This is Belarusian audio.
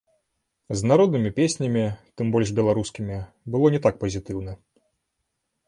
З народнымі песнямі, тым больш беларускімі, было не так пазітыўна.